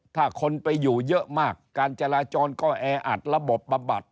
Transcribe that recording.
ถ้าคนไปอยู่เยอะมากการจราจรก็แออัดระบบบำบัด